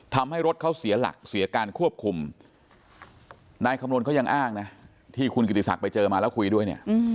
ทำให้รถเขาเสียหลักเสียการควบคุมนายคำนวณเขายังอ้างนะที่คุณกิติศักดิ์ไปเจอมาแล้วคุยด้วยเนี่ย